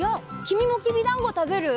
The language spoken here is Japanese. きみもきびだんごたべる？